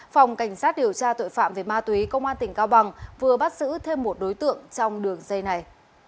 phòng cảnh sát điều tra tội phạm về ma túy công an tỉnh cao bằng vừa bắt giữ thêm một đối tượng trong đường dây này